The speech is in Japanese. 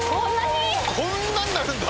こんなになるんだ！？